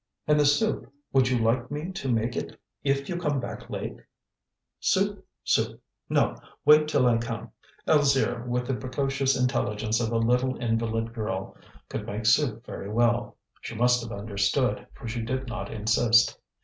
"And the soup? would you like me to make it if you come back late?" "Soup, soup: no, wait till I come." Alzire, with the precocious intelligence of a little invalid girl, could make soup very well. She must have understood, for she did not insist.